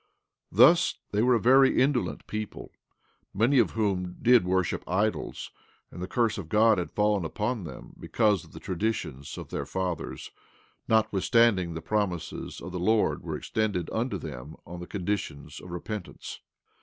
17:15 Thus they were a very indolent people, many of whom did worship idols, and the curse of God had fallen upon them because of the traditions of their fathers; notwithstanding the promises of the Lord were extended unto them on the conditions of repentance.